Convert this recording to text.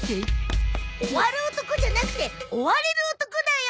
終わる男じゃなくて追われる男だよ。